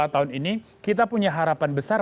dua tahun ini kita punya harapan besar